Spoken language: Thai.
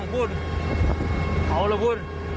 คุณเอาละคุณ